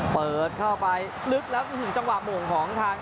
เปิดเข้าไปลึกแล้วถึงจังหวะโมงของทาง